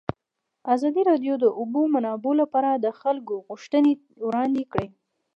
ازادي راډیو د د اوبو منابع لپاره د خلکو غوښتنې وړاندې کړي.